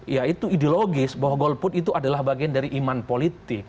ya itu ideologis bahwa golput itu adalah bagian dari iman politik